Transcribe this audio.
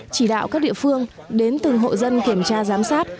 chỉ đạo các địa phương đến từng hộ dân kiểm tra giám sát